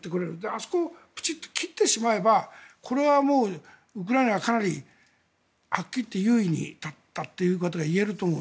あそこを切ってしまえばこれはウクライナがかなりはっきり言って優位に立ったということが言えると思う。